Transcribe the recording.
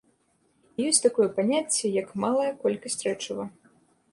І ёсць такое паняцце, як малая колькасць рэчыва.